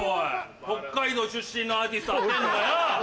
北海道出身のアーティスト当てんのよ！